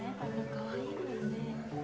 かわいいもんね